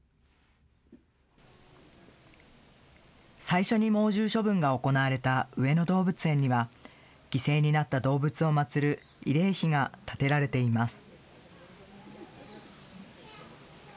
最初に猛獣処分が行われた上野動物園には、犠牲になった動物をまつる慰霊碑が建てられています。